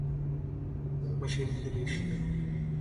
مشرقی ایشیا